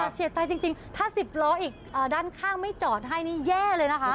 ใช่ค่ะเฉียบตายจริงถ้าสิบล้ออีกด้านข้างไม่จอดให้นี่แย่เลยนะคะ